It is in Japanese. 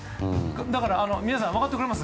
だから皆さん分かってくれます？